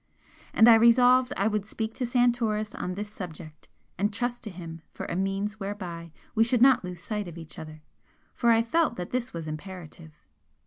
And I resolved I would speak to Santoris on this subject and trust to him for a means whereby we should not lose sight of each other, for I felt that this was imperative.